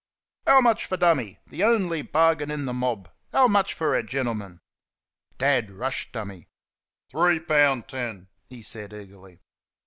"How much for 'Dummy,' the only bargain in the mob how much for her, gentlemen?" Dad rushed "Dummy." "Three poun' ten," he said, eagerly.